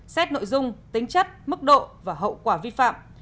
xét nội dung tính chất mức độ và hậu quả vi phạm